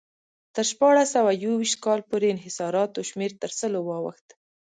تر شپاړس سوه یو ویشت کال پورې انحصاراتو شمېر تر سلو واوښت.